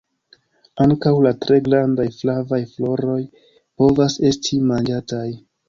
Ankaŭ la tre grandaj flavaj floroj povas esti manĝataj.